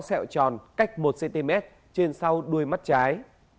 đặc điểm nhận dạng đối tượng có xeo chấm cách hai hai cm trên sau đầu lông mày trái